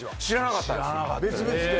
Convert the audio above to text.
知らなかったです。